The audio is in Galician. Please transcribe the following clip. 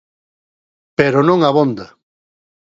Pero non abonda.